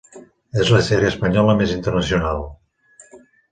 És la sèrie espanyola més internacional.